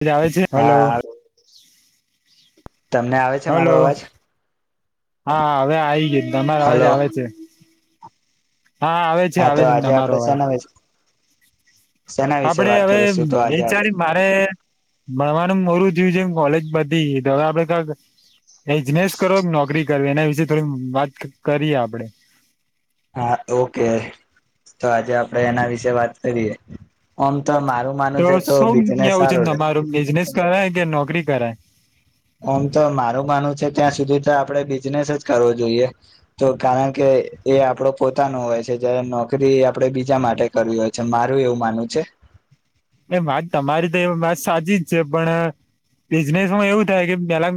[unintelligible] આવે છે, હલો. હા તમને આવે છે, મારો હલો અવાજ. હા હવે આવી [unintelligible] તમારા અવાજ હલો આવે છે. હા આવે છે, હા આવે તો છે, ને આજે તમારો આપડે અવાજ. શેના વિશે શેના વિશે આપડે વાત હવે કરીશું તો આજે આપડે [unintelligible] મારે ભણવા. [inaudible] બિજનેસ કરો કે નોકરી કર એના વિશે થોડી વાત કરીએ આપડે. હા ઓકે તો આજે આપડે એના વિશે વાત કરી [unintelligible] તો શૌ [unintelligible] રે તમારું બિઝનેસ કરાય કે નોકરી કરાય. આમ તો મારું માનવું છે, ત્યાં સુધી તો આપડે બિઝનેસ જ કરવો જોઈએ તો કારણ કે એ આપડો પોતાનો હોય છે, જયારે નોકરી આપડે બીજા માટે કરવી હોય છે, મારું એવું માનવું છે એ વાત તમારી તો એ વાત સાચી જ છે, પણ બિઝનેસ માં એવું થાય કે પેલા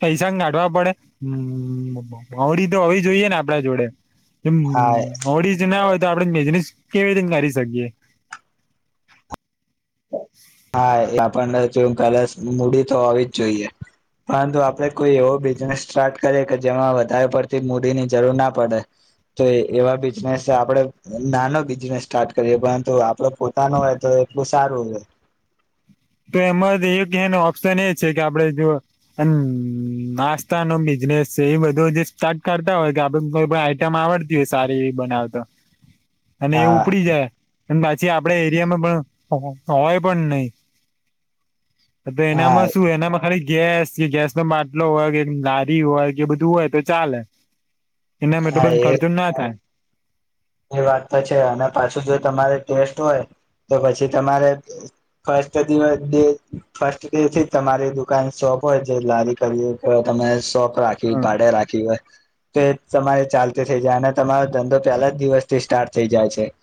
પૈસા [unintelligible] પડે [unintelligible] તો હોવી જોઈએ ને આપડા જોડે એમ હા [unintelligible] જ ના તો આપણે બિઝનેસ કેવી [inaudible] કરી શકીએ હા એ આપણને જો કદાશ મૂડી તો હોવી જ જોઈએ પરંતુ આપડે કોઈ એવો બિઝનેસ સ્ટાર્ટ કરીએ કે જેમાં વધારે પડતી મૂડીની જરૂર ના પડે તો એવા બિઝનેસ આપડે નાનો બિઝનેસ સ્ટાર્ટ કરીએ પરંતુ આપડે પોતાનો હોય તો એટલું સારું [unintelligible] તો એમાં [unintelligible] ઓપ્શન એ છે, કે આપડે જો હમ નાસ્તા નો બિઝનેસ છે, એ બધું જે સ્ટાર્ટ કરતા હોય કે આપડ કોઈ આઈટમ આવડતી હોય સારી એવી બનાવતા અને એ હા ઉપડી જાય અને પાછી આપડા એરિયામાં પણ [unintelligible] [unintelligible] હા શું એનામાં ખાલી ગેસ કે ગેસ નો બાટલો હોય કે લારી હોય કે બધું હોય તો ચાલે એના એટલે હા બધો એ ખર્ચો ના થાય એ વાત તો છે, અને પાછું જો તમારે ટેસ્ટ હોય તો પછી તમારે ફસ્ટ [unintelligible] ફસ્ટે થી તમારી દુકાન સો હોય જે લારી કરવી [unintelligible] સોપ રાખી ભાડે રાખી હોય તો તમારે ચાલતી થઈ જાય અને તમારો ધંધો પેલા જ દિવસથી સ્ટાર્ટ થઈ જાય છે.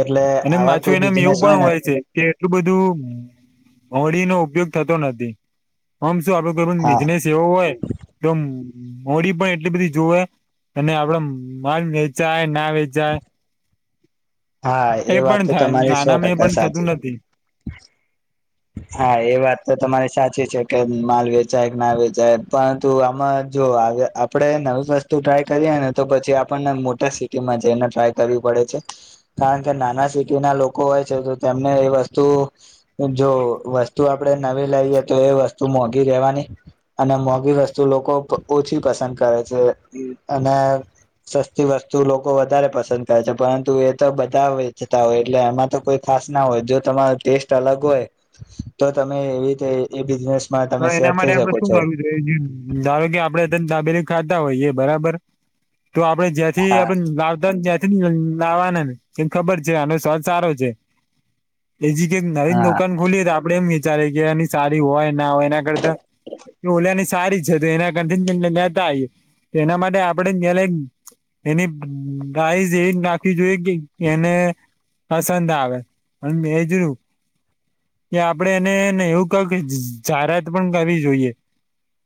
એટલે અને આવા માછું કોઈ એનામ એવું બિઝનેસ પણ ને હોય છે, કે એટલું બધું. ઉપયોગ થતો નથી આમ શું આપડો કોઈ હા બિઝનેસ એવો હોય તો મોડી પણ એટલી બધી જોવે અને આપડ માલ વેચાય ના વેચાય [inaudible] હા એ વાત પણ તો થાય તમારી સો નાનામાં એ ટકા પણ થતું સાચી નથી હા એ વાત તો તમારી સાચી છે કે, માલ વેચાય કે ના વેચાય પરંતુ આમાં જો આપડે નવી વસ્તુ ટ્રાય કરીએ ને તો પછી આપણને મોટા સિટીમાં જઈને ટ્રાય કરવી પડે છે, કારણ કે નાના સિટી ના લોકો હોય છે તો તેમને એ વસ્તુ જો વસ્તુ આપણેે નવી લાવીએ તો એ વસ્તુ મોંઘી રેવાની અને મોઘી વસ્તુ લોકો ઓછી પસંદ કરે છે અને સસ્તી વસ્તુ લોકો વધારે પસંદ કરે છે, પરંતુ એ તો બધા વેચતા હોય એટલે એમાં તો કોઈ ખા ખાસ ના હોય જો તમારો ટેસ્ટ અલગ હોય તો તમે એવી રીતે [unintelligible] તો એના સેટ થઈ માટે આપડે શકો શું છો કરવું જોઈએ, ધારો કે આપડે ત્યા ડાબેલી ખાતા હોઈએ બરાબર, તો આપડે હા જ્યાંથી [unintelligible] લાવવાના ને ખબર છે, આનો સ્વાદ સારો છે એજી કઈક નવીન હા દુકાન ખોલીએ તો આપડે એમ વિચારી કે એની સારી હોય ના હોય એના કરતા એ ઓલિની સારી છે તો એના [unintelligible] એના માટે આપડે [unintelligible] એની ડાઈઝ એજ નાખવી જોઈએ કે એને પસંદ આવે [unintelligible] કે આપડે [unintelligible] કે જાહેરાત પણ કરવી જોઈએ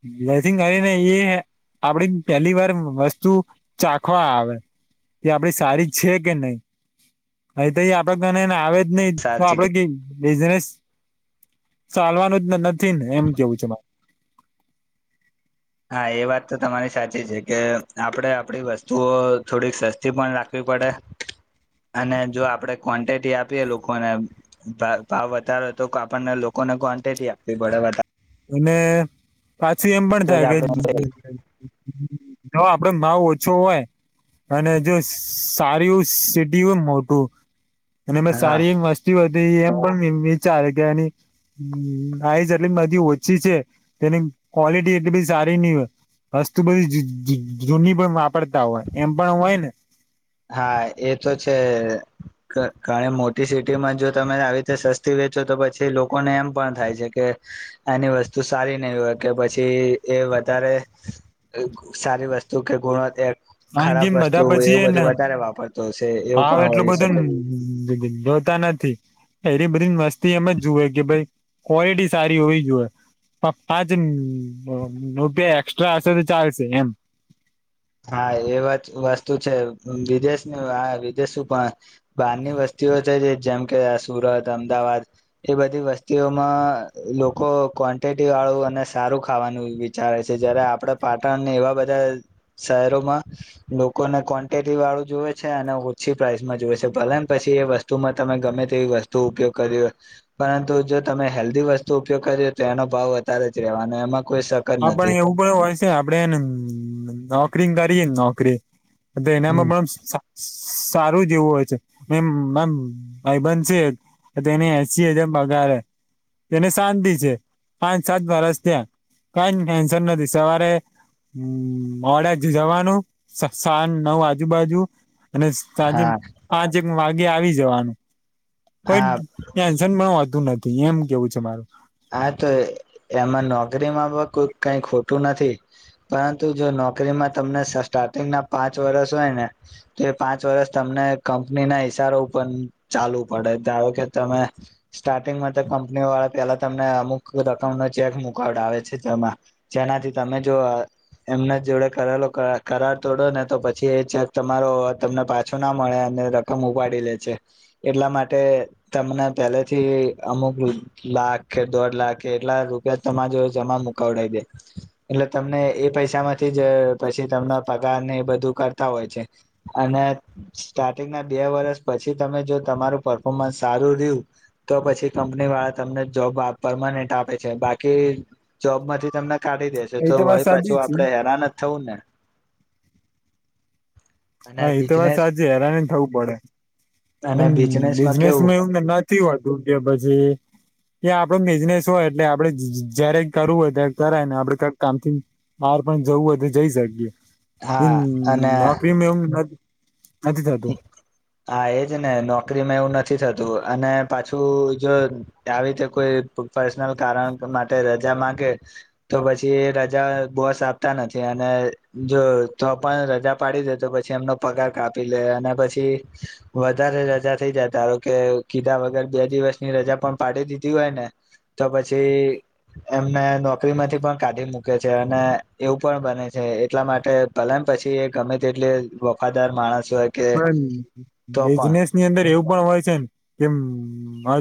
[unintelligible] આપડી પેલી વાર વસ્તુ ચાખવા આવે એ આપડી સારી છે કે નઈ, અહી તો [unintelligible] આવે નહી તો સાચી આપડે [unintelligible] બિઝનેસ ચાલવાનું [unintelligible] [unintelligible] એમ કેવુ છે મા હા એ વાત તો તમારી સાચી છે, કે આપડે આપડી વસ્તુઓ થોડીક સસ્તી પણ રાખવી પડે અને જો આપડે કવાંટીટી આપીએ લોકોને ભા ભાવ વધારો તો આપણને લોકો ક્વોન્ટિટી આપવી પડે વ અને પાછી એમ પણ તો થાય જ કે આપણે જો આપડે ભાવ ઓછો હોય અને જો સારી સિટી હોય મોટું અને મે હા સારી એક મસ્તી એમ પણ ચાલે ગયાની આઈ જટલી બધી હો છી છે તેની ક્વોલિટી એટલી બધી સારી ની હોય વસ્તુ બધી જૂની પણ વાપરતા હોય, એમ પણ હોય ને હા એ તો છે ધ ઘણી મોટી સિટી માં જો તમે આવી રીતે સસ્તી છે, તો પછી લોકોને એમ પણ થાય છે કે આની વસ્તુ સારી નહી હોય કે પછી વધારે સારી વસ્તુ કે ગુણવત્તા હ ગીમ બધા પછી એ ને વાપરતો હશે એવું હ પણ એટલું હોઈ શકે બધુંન જજોતા નથી એલી બધી મસ્તી એમ જ જુએ કે, ભાઈ ક્વોલિટી સારી હોવી જોઈએ પપ્ પાચ રૂપિયા એક્સ્ટ્રા હશે તો ચાલશે એમ હા એ વાત વસ્તુ છે, વિદેશની હ વિદેશું પણ બહારની વસ્તીઓ છે જેમ કે સુરત, અમદાવાદ એ બધી વસ્તીઓમાં લોકો કોનટે ટી વાળું અને સારું ખાવાનું વિચારે છે, જયારે આપડ પાટણને એવા બધા શહેરોમાં લોકોને ક્વોન્ટિટી વાળું જોવે છે અને ઓછી પ્રાઇસમાં જોવે છે ભલે ને પછી એ વસ્તુમાં તમે ગમે તેવી વસ્તુ ઉપયોગ કરી હોય, પરંતુ જો તમે હેલ્ધી વસ્તુ ઉપયોગ કરી તો એનો ભાવ વધારે જ રેવાનો એમાં કોઈ સકત આપેણે નથી એવું પણ હોય છે, આપડેને નોકરી કરીયે નોકરી એનામાં હમ પણ સારું જેવું હોય છે, એમ અમ ભાઈબન છે એને હેસી હજાર છે પગાર હે તેને શાંતિ છે, પાંચ સાત વર્ષ, ત્યાં કઈ ટેન્શન નથી સવારે હમ, મોડા જ જવાનું સા સાજ નવ આજુબાજુ અને સાંજે હા પાંચેક વાગે આવી, જવાનું પણ હા ટેન્શન પણ વધતુ નથી, એમ કેવું છે મારું હા, તો એમાં નોકરીમાં કઈ ખોટું નથી, પરંતુ જો નોકરીમાં તમને સ્ટાર્ટિંગના પાંચ વર્ષ હોય, ને તો પાંચ વર્ષ તમને કંપની ના પૈસારો પણ ચાલુ, પડે ધારો કે તમે સ્ટાર્ટિંગમાં, તો કંપની વાળા પેલા તમને અમુક રકમ નો ચેક, મુક આવે છે, તેમાં જેનાથી તમે જો એમના જોડે કરેલો, ક કરાર તોડો ને તો પછી, એ ચેક તમારો તમને પાછો, ના મળે રકમ ઉપાડી લે છે, એટલા માટે તમને પેલે થી, અમુક લા કે દોઢ લાખ, કે એટલા રૂપિયા તમા જો જમા મુકાવડ દે એટલે, તમને એ પૈસા માંથી જે પછી, તમને પગાર ને એ બધું કરતા હોય છે, અને સ્ટાર્ટિંગ ના બે વર્સ પછી, તમે જો તમારું પરફોર્મન્સ સારું રહ્યું, તો પછી કંપની વાળા તમને જોબ આ પરમનેન્ટ આપે છે, બાકી જોબ માંથી, તમને કાઢી દેશે, એ તો વાત વળી સાચી પાછું છે આપડે હેરાન જ થવું ને અને હા, એ તો વાત બિઝનેસ સાચી હેરાન, જ થવું પડે એ અને બિઝનેસમાં કેવું બિઝનેસમા એવુંને નથી, હોતું કે પછી એ આપડો બિઝનેસ હોય, એટલે આપડે જયારે કરવું હોય, ત્યારે કરાય ને આપડે કઈક કામ, થી મારે પણ જવું હોય, તો જઈ શકીએ એ હા અને નોકરીમાં, એમ ન હા, એ ને નોકરીમાં એવું નથી, થતું અને પાછું જો આવી રીતે કોઈ પર્સનલ કારણ માટે રજા માંગે, તો પછી એ રજા બોસ આપતા નથી, અને જો ત પણ રજા પાડી દે, તો પછી એમનો પગાર કા ી અને પછી વધારે રજા થઈ, જતાારો કે કીધા વગર બે દિવસની રજા પણ પાડી દીધી હોય, ને તો પછી એમને નોકરી માંથી પણ કાઢી મૂકે છે, અને એવું પણ બને છે. એટલા માટે ભલેમ પછી, એ ગમે તેટલે વખાદાર માણસ હોય કે પણ તો પણ બિઝનેસ ની અંદર એવું પણ હોય છેને, કેમ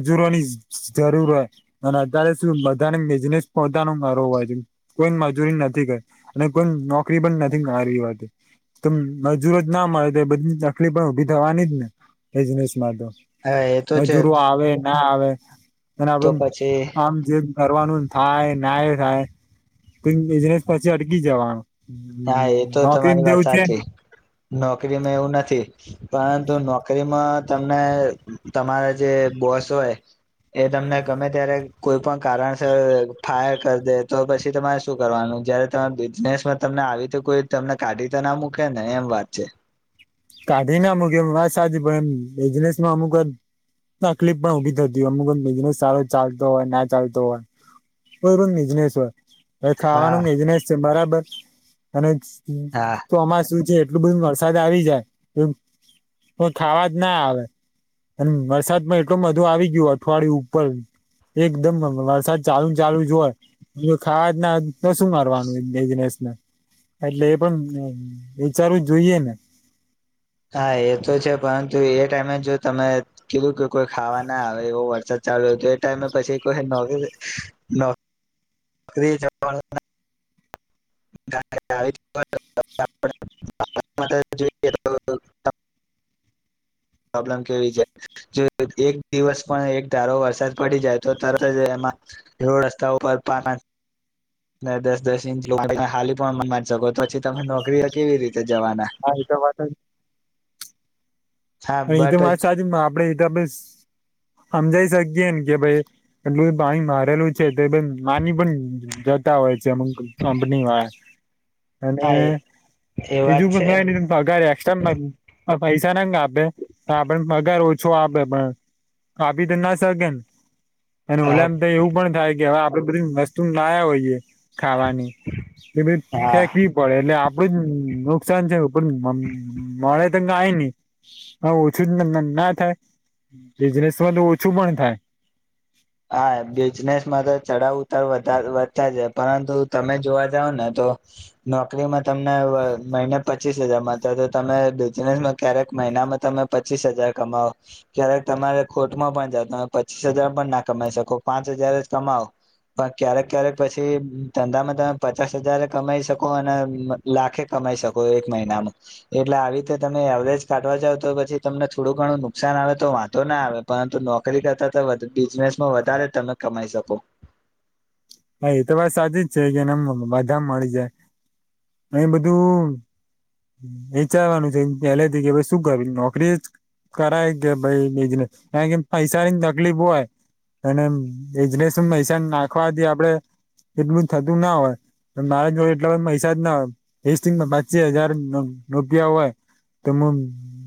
હજુરોની જરૂર હોય, અને અત્યારે શું બધાને બિઝનેસ પોતા ન મારો હોય, કોઈ મજૂરી નથી, અને કોઈ નોકરી પણ નથી, મા વાત ત મજૂરોજ ના મળે, તો બધી તકલીફ પણ ઉઊભી થવાની જને એજ હા એ તો છે મજૂરો જ. આવે, ના આવે અને તો આપડ પછી આમ જે કરવાનું થાય ના એ થાય, કઈ બિઝનેસ પછી અટકી જવાનું હા, અ તો નોકરી તમારી વાત તેવું છે સાચી નોકરીમાં એવું નથી, પરંતુ નોકરીમાં તમને તમારા જે બસોય એ તમને ગમે ત્યારે કોઈ પણ કારણ છે, ફાયર કરી દે તો પછી, તમારે શું કરવાનું જયારે, ત બિઝનેસમાં તમને આવી, તો કોઈ તમને કાઢી તો ના મૂકે ને એમ વાત છે. કાઢીને અમુક, એમ વા સાચ એમ એજનેસમાં અમુક તકલીફ પણ ઉભી થતી હોય, અમુ બિઝનેસ સારો ચાલતો હોય, ના ચાલતો હોય. [unintelligible] હવે હા ખાવાનું બિઝનેસ છે, બરાબર અને હા તોમાં શું છે. એટલ બધું વરસાદ આવી જાય, પણ ખાવા જ ના આવે મ વરસાદ માં એટલધું આવી ગયું, અઠવાડિય ઉપર એકદમ વરસાદ ચાલુ ચાલુ જ હોય, ખા ના ન શું મારવાનુંને એટલે, એ પણ વિચારવું જોઈએ, ને હા એ તો છે, પરંતુ એ ટાઈમે જો તમે કીધું કે કોઈ ખાવાના આવે એવો વરસાદ ચાલુ હતું, એ ટાઈમે પછી કોઈ, નોકરી, નોકરી જવા [inaudible] [unintelligible] જોઈએ તો પ્રોબ્લમ કેવી જો એક દિવસ પણ એક ધારો વરસાદ પડી જાય તો તરત જ એમાં રોડ રસ્તા ઉપર પા દસ દસ ઇંચ લોકો હાલી પણ મારી શકો પછી તમે નોકરીઓ કેવી રીતે જવાના હા એ તો વાત જ હા અને એ તો મારે બટ સાચ આપડે એ તો આપડે સમજાઈ શકીએ ને કે ભાઈ એટલું પાણી મારેલું છે તો માની પણ જતા હોય છે અમુક કંપની વાળા અને હા એ વાત બીજું છે પણ કંઈ પગાર એક્સ્ટ્રા પૈસા ના આપે હા પણ પગાર ઓછો આપે પણ આપી તો ના શકે અને હા ઓલામ તો એવું પણ થાય કે હવે આપડે બધી વસ્તુ લયા હોઈએ ખાવાની એ બધી ફેંકવી પડે એટલે આપડું જ નુકસાન છે મળે ત કાય ની હા ઓછું ના થાય બિઝનેસમાં તો ઓછું પણ થાય હા બિઝનેસમાં તો ચડાવ ઉતાર વધતા જ પરંતુ તમે જોવા જાવ ને તો નોકરીમાં તમને મહિને પચીસ હજાર તમે બિનેસ કયારેક મહીનામાં તમે પચીસ હજાર કમાવો ક્યારેક તમારે ખોટમાં પણ જાાવ તમે પચીસ હજાર પણ નાખ કમાઈ શકો પાંચ હજાર જ કમાવ પણ ક્યારેક ક્યારેક પછી ધંધામાં તમે પચાસ હજાર કમાઈ શકો અને લાખે કમાય શકો એક મહિનામાં એટલે આવી રીતે તમે એવરેજ કાઢવા જાવ તો પછી તમને થોડું ઘણું નુકસાન આવે તો વાંધ ના આવે પરંતુ નોકરી કરતા તો બિઝનેસ વધારે તમે કમાઈ શકો હા એ તો વાત સાચી જ છે કેને બધા મળી જાય એ બધું એ વિચરવાનું છે પેલેથી કે શું કરુ નોકરી જ કરાય કે ભાઈ બિજનેસ કારણ કે પૈસાની તકલીફ હોય અને બિઝનેસમાં પૈસા નાખવાથી આપડે એટલું થતું ના હોય મારે જો એટલા પૈસા જ ના હોય પચી હજાર રૂપિયા હોય તો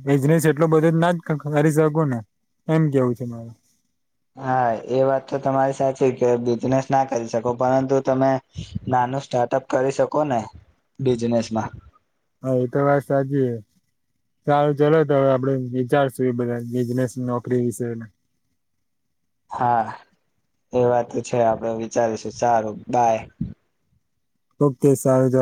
બિઝનેસ એટલો બધો જ ના જ કરી શકું ને એમ કેવું છે મારે હા એ વાત તો તમારી સાચી કે બિઝનેસ ના કરી શકો પરંતુ તમે નો સ્ટાર્ટઅપ કરી શકો ને બિઝનેસમાં હ એ તો વાત સાચી છે. સારું ચાલ તો હવે આપડે વિચારશું એ બધા બિઝનેસ નોકરી વિશેને [inaudible] હા એ વાત છે આપડે વિચારીશું સારું બાય ઓકે સારું ચાલો